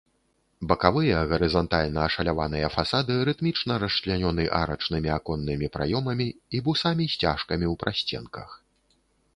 Бакавыя гарызантальна ашаляваныя фасады рытмічна расчлянёны арачнымі аконнымі праёмамі і бусамі-сцяжкамі ў прасценках.